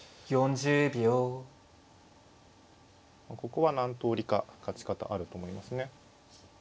ここは何通りか勝ち方あると思いますね。